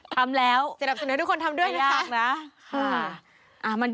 ทำแล้วไม่ยากนะค่ะจะดับเสนอให้ทุกคนทำด้วยนะคะ